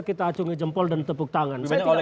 kita acungi jempol dan tepuk tangan banyak oleh